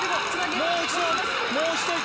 もう一度。